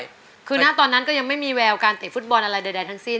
คือหน้าตอนนั้นก็ยังไม่มีแววการเตะฟุตบอลอะไรใดทั้งสิ้น